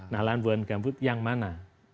nah lahan buaya gambut yang mana